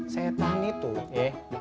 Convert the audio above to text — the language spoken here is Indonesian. setan itu ya